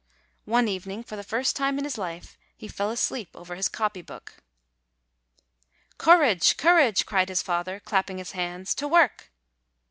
One evening, for the first time in his life, he fell asleep over his copy book. 74 DECEMBER "Courage! courage!" cried his father, clapping his hands; "to work!"